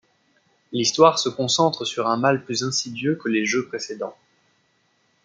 L'histoire se concentre sur un mal plus insidieux que les jeux précédents.